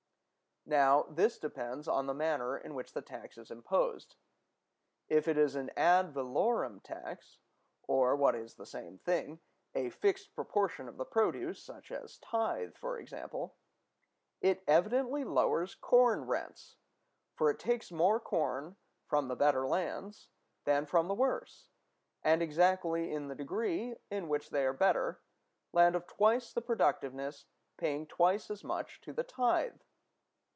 Now, this depends on the manner in which the tax is imposed. If it is an ad valorem tax, or, what is the same thing, a fixed proportion of the produce, such as tithe for example, it evidently lowers corn rents. For it takes more corn from the better lands than from the worse, and exactly in the degree in which they are better, land of twice the productiveness paying twice as much to the tithe.